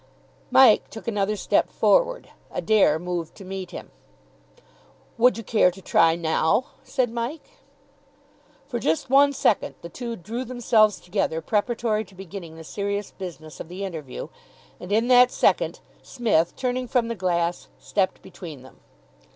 Mike took another step forward. Adair moved to meet him. "Would you care to try now?" said Mike. For just one second the two drew themselves together preparatory to beginning the serious business of the interview, and in that second Psmith, turning from the glass, stepped between them.